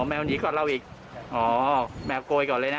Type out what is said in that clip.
แมวหนีก่อนเราอีกอ๋อแมวโกยก่อนเลยนะ